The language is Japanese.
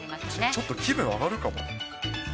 ちょっと気分、上がるかも。